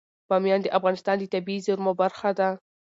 بامیان د افغانستان د طبیعي زیرمو برخه ده.